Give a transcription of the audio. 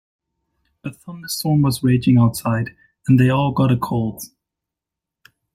A thunderstorm was raging outside and they all got a cold.